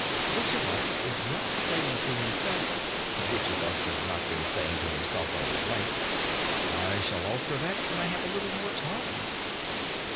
Which of us is not saying to himself which of us has not been saying to himself all his life: "I shall alter that when I have a little more time"?